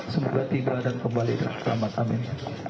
semoga tiba dan kembali selamat amin